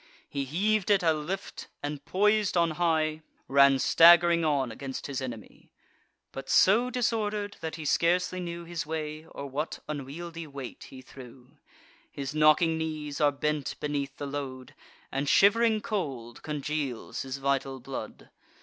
He heav'd it at a lift, and, pois'd on high, Ran stagg'ring on against his enemy, But so disorder'd, that he scarcely knew His way, or what unwieldly weight he threw. His knocking knees are bent beneath the load, And shiv'ring cold congeals his vital blood.